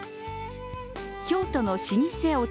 京都の老舗お茶